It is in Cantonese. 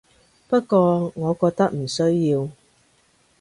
不過我覺得唔需要